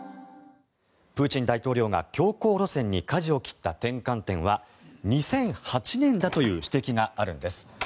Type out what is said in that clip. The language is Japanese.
プーチン大統領が強硬路線にかじを切った転換点は２００８年だという指摘があるんです。